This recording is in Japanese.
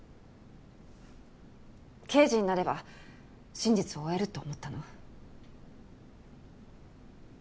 刑事になれば真実を追えると思ったの。